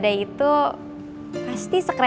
aku juga suka sama dia